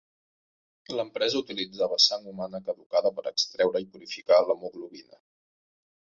L'empresa utilitzava sang humana caducada per extreure i purificar l'hemoglobina.